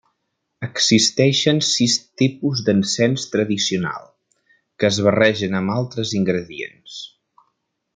Existeixen sis tipus d'encens tradicional, que es barregen amb altres ingredients.